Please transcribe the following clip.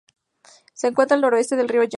Se encuentra al noroeste del Río Han.